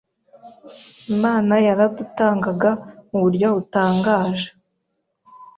Imana yaradutangaga mu buryo butangaje